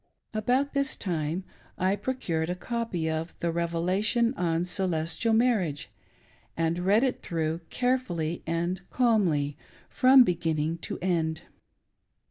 About, this time 1 procured a copy of the "Revelation on Celestial Marriage," and read it through carefully and calmly, from beginning to end.